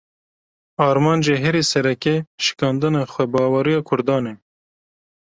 Armanca herî sereke, şikandina xwebaweriya Kurdan e